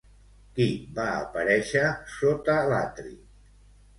Qui va aparèixer sota l'atri?